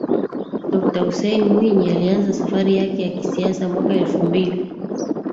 Dokta Hussein Mwinyi alianza safari yake ya kisiasa mwaka elfu mbili